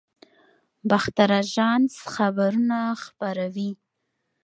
باختر اژانس خبرونه خپروي